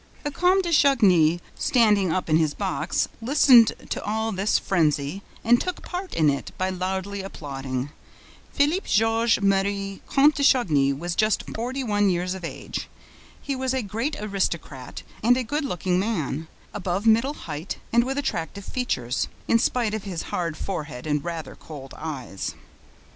The Comte de Chagny, standing up in his box, listened to all this frenzy and took part in it by loudly applauding. Philippe Georges Marie Comte de Chagny was just forty one years of age. He was a great aristocrat and a good looking man, above middle height and with attractive features, in spite of his hard forehead and his rather cold eyes.